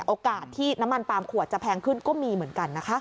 โอกาสที่น้ำมันปาล์มขวดจะแพงขึ้นก็มีเหมือนกันนะคะ